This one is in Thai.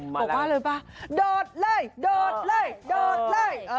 บอกว่าอะไรป่ะโดดเลยโดดเลยโดดเลย